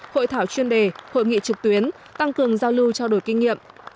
hội thảo chuyên đề hội nghị trực tuyến tăng cường giao lưu trao đổi kinh nghiệm